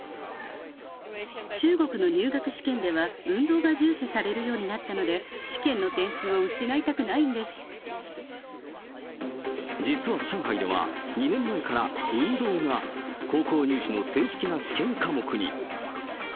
中国の入学試験では運動が重視されるようになったので、実は上海では、２年前から運動が高校入試の正式な試験科目に。